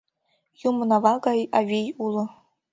Юмын-ава гай авий уло